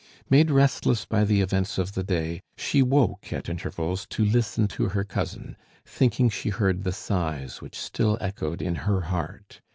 Made restless by the events of the day, she woke at intervals to listen to her cousin, thinking she heard the sighs which still echoed in her heart.